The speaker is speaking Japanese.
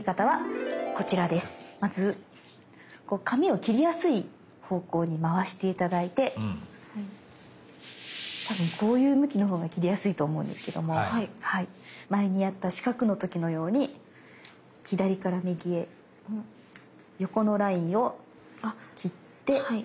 まず紙を切りやすい方向に回して頂いてたぶんこういう向きのほうが切りやすいと思うんですけども前にやった四角の時のように左から右へ横のラインを切って。